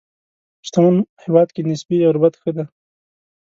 شتمن هېواد کې نسبي غربت ښه دی.